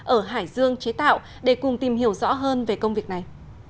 ở hải dương chế tạo để cùng tìm hiểu rõ hơn về công việc này